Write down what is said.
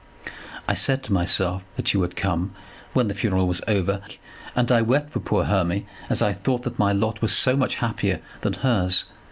"I said to myself that you would come when the funeral was over, and I wept for poor Hermy as I thought that my lot was so much happier than hers.